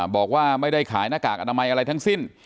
บอกว่าไม่ได้ขายหน้ากากอนามัยอะไรทั้งสิ้น